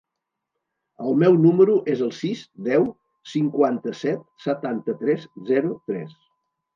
El meu número es el sis, deu, cinquanta-set, setanta-tres, zero, tres.